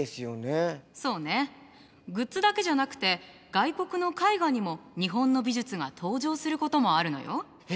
そうねグッズだけじゃなくて外国の絵画にも日本の美術が登場することもあるのよ。